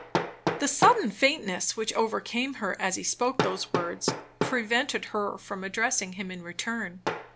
The sudden faintness which overcame her, as he spoke those words, prevented her from addressing him in return.